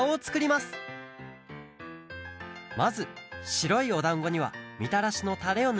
まずしろいおだんごにはみたらしのたれをぬります。